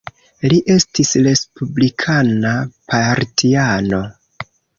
Li estis respublikana partiano.